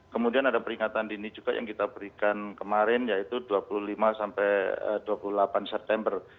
kemudian ada peringatan dini juga yang kita berikan kemarin yaitu dua puluh lima sampai dua puluh delapan september